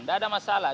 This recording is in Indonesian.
tidak ada masalah